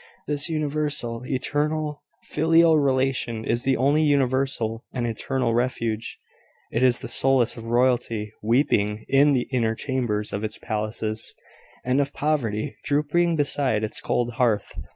This universal, eternal, filial relation is the only universal and eternal refuge. It is the solace of royalty weeping in the inner chambers of its palaces, and of poverty drooping beside its cold hearth.